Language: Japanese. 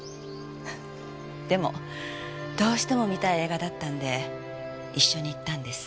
でもどうしても見たい映画だったんで一緒に行ったんです。